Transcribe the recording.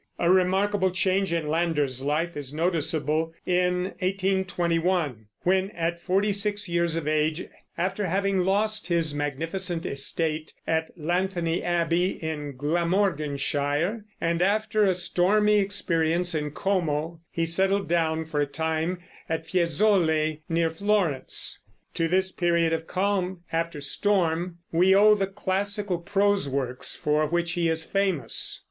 A remarkable change in Lander's life is noticeable in 1821, when, at forty six years of age, after having lost his magnificent estate of Llanthony Abbey, in Glamorganshire, and after a stormy experience in Como, he settled down for a time at Fiesole near Florence. To this period of calm after storm we owe the classical prose works for which he is famous.